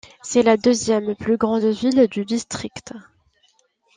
C'est la dixième plus grande ville du district.